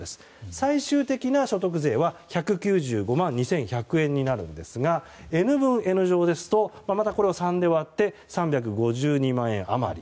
最終的な所得税は１９５万２１００円になりますがＮ分Ｎ乗ですと３で割って３５２万円余り。